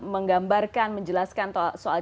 menggambarkan menjelaskan soal